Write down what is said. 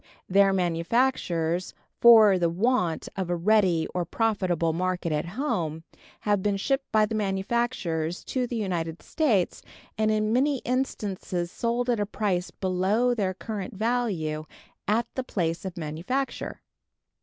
Their manufactures, for the want of a ready or profitable market at home, have been shipped by the manufacturers to the United States, and in many instances sold at a price below their current value at the place of manufacture.